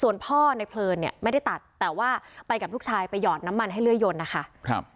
ส่วนพ่อในเพลินเนี่ยไม่ได้ตัดแต่ว่าไปกับลูกชายไปหยอดน้ำมันให้เลื่อยยนต์นะคะ